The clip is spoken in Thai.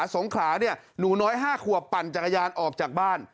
สงขลาเนี่ยหนูน้อย๕ขวบปั่นจักรยานออกจากบ้าน